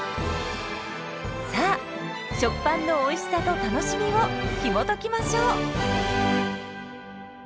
さあ「食パン」のおいしさと楽しみをひもときましょう！